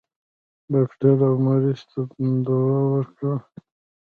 ډاکټر و مريض ته دوا ورکړه.